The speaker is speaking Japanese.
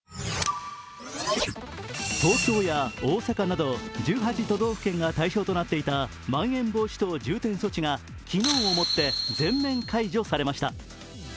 東京や大阪など１８都道府県が対象となっていた昨日をもって全面解除されました。